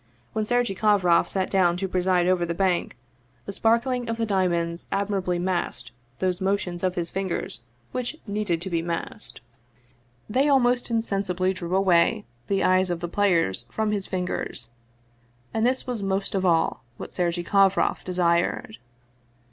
When Sergei Kovroff sat down to pre side over the bank, the sparkling of the diamonds admirably masked those motions of his fingers which needed to be 220 Vsevolod Vladimir ovitch Krestovski masked; they almost insensibly drew away the eyes of the players from his fingers, and this was most of all what Sergei Kovroff desired.